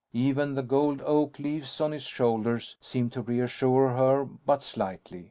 Even the gold oak leaves on his shoulders seemed to reassure her but slightly.